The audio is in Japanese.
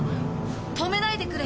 止めないでくれ。